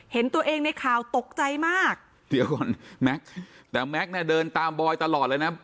เห็นตัวเองในข่าวตกใจมากเดี๋ยวก่อนแม็กซ์แต่แม็กซ์เนี่ยเดินตามบอยตลอดเลยนะ